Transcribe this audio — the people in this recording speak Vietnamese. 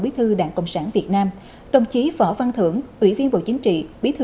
bí thư đảng cộng sản việt nam đồng chí võ văn thưởng ủy viên bộ chính trị bí thư